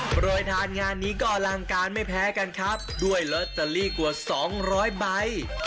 โปรยทานงานนี้ก็อลังการไม่แพ้กันครับด้วยลอตเตอรี่กว่าสองร้อยใบ